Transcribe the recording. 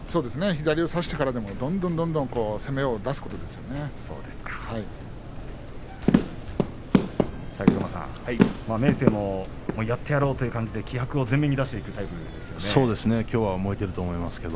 左を差してからもどんどんどんどん攻めを武隈さん、明生もやってやろうという感じで気迫を前面に出していくきょうは燃えていると思います。